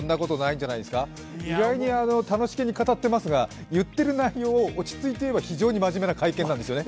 意外に楽しげに語っていますが、言ってる内容を落ち着いて聞けば非常に真面目な会見なんですよね。